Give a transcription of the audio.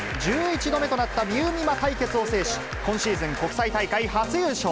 １１度目となったみうみま対決を制し、今シーズン国際大会初優勝。